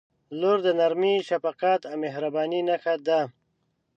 • لور د نرمۍ، شفقت او مهربانۍ نښه ده.